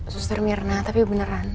suster mirna tapi beneran